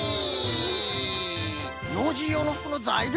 ノージーようのふくのざいりょうさがしじゃ！